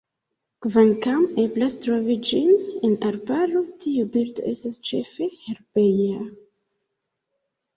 Kvankam eblas trovi ĝin en arbaro, tiu birdo estas ĉefe herbeja.